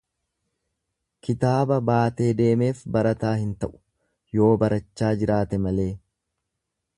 Kitaaba baatee deemeef barataa hin ta'u, yoo barachaa jiraate malee.